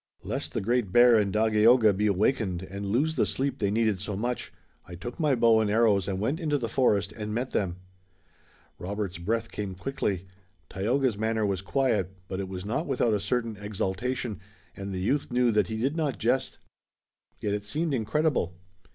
Lest the Great Bear and Dagaeoga be awakened and lose the sleep they needed so much, I took my bow and arrows and went into the forest and met them." Robert's breath came quickly. Tayoga's manner was quiet, but it was not without a certain exultation, and the youth knew that he did not jest. Yet it seemed incredible.